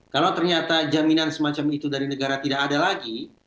kalau ternyata jaminan semacam itu dari negara tidak ada lagi